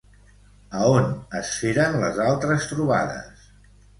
A on es feren les altres trobades?